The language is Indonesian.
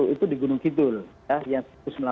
itu di gunung kidul yang sembilan ratus